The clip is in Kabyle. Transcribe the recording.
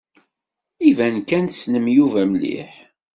Iban kan tessnem Yuba mliḥ.